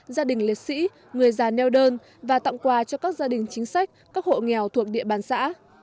gia đình liệt sĩ người già neo đơn và tặng quà cho các gia đình chính sách các hộ nghèo thuộc địa bàn xã